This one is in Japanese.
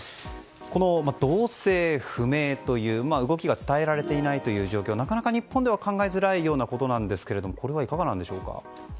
この動静不明動きが伝えられないという状況はなかなか日本では考えづらいことなんですがこれはいかがなんでしょうか。